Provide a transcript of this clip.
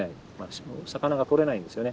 魚が取れないんですよね。